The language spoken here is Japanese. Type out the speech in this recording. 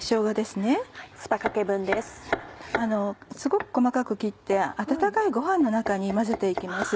すごく細かく切って温かいご飯の中に混ぜて行きます。